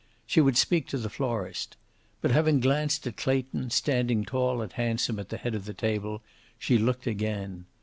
She would speak to the florist. But, having glanced at Clayton, standing tall and handsome at the head of the table, she looked again.